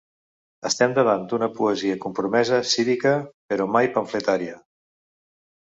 Estem davant d'una poesia compromesa, cívica; però mai pamfletària.